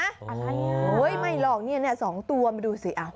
อะไรอ่ะโอ๊ยไม่หรอกเนี่ย๒ตัวมาดูสิ